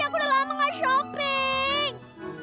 aku udah lama gak shopping